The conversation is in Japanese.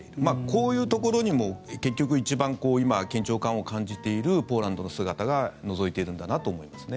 こういうところにも結局一番今、緊張感を感じているポーランドの姿がのぞいているんだなと思います。